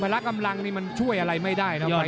พลักอำลังนี่มันช่วยอะไรไม่ได้นะไบวที